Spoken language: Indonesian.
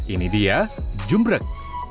ini dia jumbrek